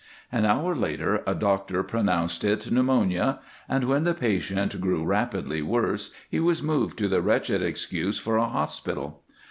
An hour later a doctor pronounced it pneumonia, and when the patient grew rapidly worse he was moved to the wretched excuse for a hospital.